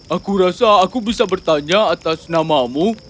aku rasa aku bisa bertanya atas namamu